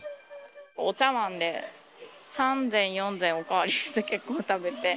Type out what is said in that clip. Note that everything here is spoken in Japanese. お茶わんで３膳、４膳おかわりして、結構食べて。